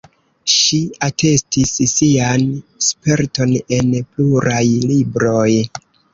Ŝi atestis sian sperton en pluraj libroj.